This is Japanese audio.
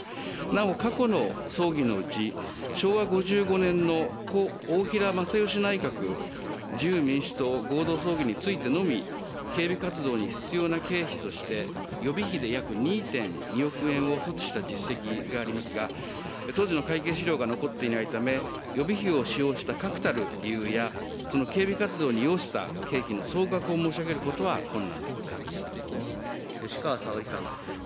なお過去の葬儀のうち、昭和５５年の故・大平正芳内閣自由民主党合同葬儀についてのみ、警備活動に必要な経費として、予備費で約２．２億円を措置した実績がありますが、当時の会計資料が残っていないため、予備費を使用した確たる理由や、その警備活動に要した経費の総額を申し上げ吉川沙織さん。